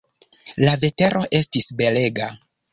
La vetero estis belega.